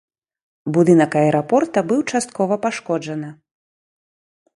Будынак аэрапорта быў часткова пашкоджана.